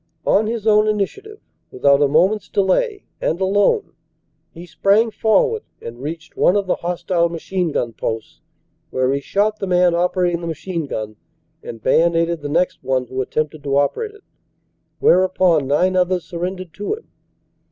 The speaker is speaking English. On his own initiative, with out a moment s delay, and alone, he sprang forward and reached one of the hostile machine gun posts, where he shot the man operating the machine gun and bayonetted the next one who attempted to operate it, whereupon nine others sur rendered to him.